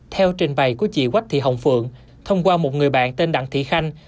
theo trình bày của chị quách thị hồng phượng thông qua một người bạn tên đặng thị khanh